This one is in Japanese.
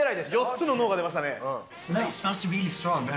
４つのノーが出ましたね。